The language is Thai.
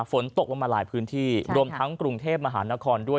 ฝนตกลงมาหลายพื้นที่รวมทั้งกรุงเทพมหานครด้วย